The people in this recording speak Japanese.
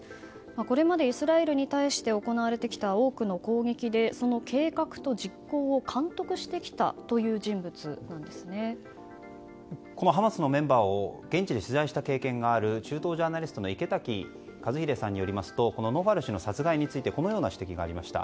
これまでイスラエルに対して行われてきた多くの攻撃でその計画と実行を監督してきたとされるハマスのメンバーを現地で取材した経験がある中東ジャーナリストの池滝和秀さんによりますとノファル氏の殺害についてこのような指摘がありました。